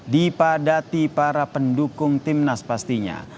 dipadati para pendukung timnas pastinya